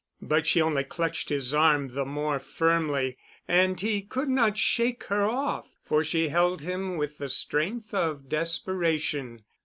But she only clutched his arm the more firmly and he could not shake her off, for she held him with the strength of desperation.